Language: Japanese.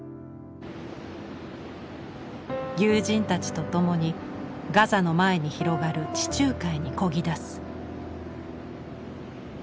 友人たちと共にガザの前に広がる地中海にこぎだす。